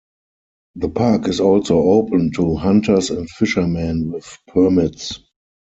The park is also open to hunters and fishermen with permits.